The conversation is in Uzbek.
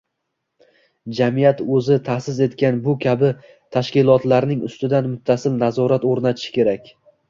jamiyat o‘zi taʼsis etgan bu kabi tashkilotlarning ustidan muttasil nazorat o‘rnatishi kerak.